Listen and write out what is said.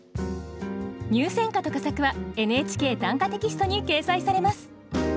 入選歌と佳作は「ＮＨＫ短歌」テキストに掲載されます